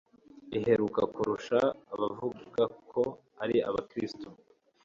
iheruka, kurusha abavuga ko ari Abakristo